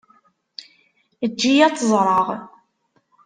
Eǧǧ-iyi ad tt-ẓreɣ.